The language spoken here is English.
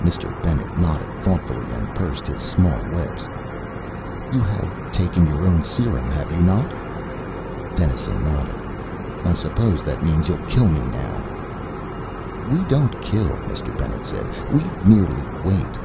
Mr. Bennet nodded thoughtfully and pursed his small lips. "You have taken your own serum, have you not?" Dennison nodded. "I suppose that means you kill me now?" "We don't kill," Mr. Bennet said. "We merely wait.